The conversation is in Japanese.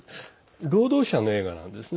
労働者の映画なんですね。